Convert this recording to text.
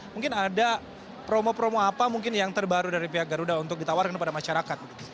mungkin ada promo promo apa mungkin yang terbaru dari pihak garuda untuk ditawarkan kepada masyarakat